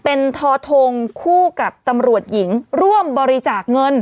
เป็นทอทงคู่กับตำรวจหญิงร่วมบริจาคเงิน